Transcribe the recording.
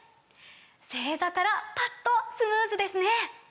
正座からパッとスムーズですね！